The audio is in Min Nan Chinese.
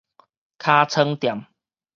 尻川店